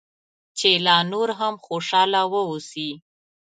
چې لا نور هم خوشاله واوسې.